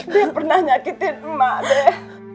dia yang pernah nyakitin emak deh